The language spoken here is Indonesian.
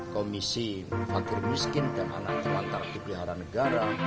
komisi fakir miskin dan anak lantar kepeliharaan negara